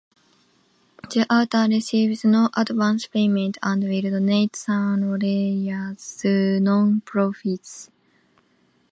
The author received no advance payment and will donate some royalties to nonprofits.